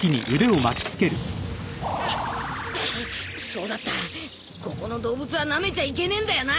そうだったここの動物はナメちゃいけねえんだよな